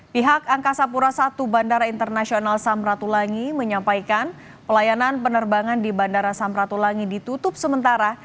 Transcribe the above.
pihak angkasa pura i bandara internasional samratulangi menyampaikan pelayanan penerbangan di bandara samratulangi ditutup sementara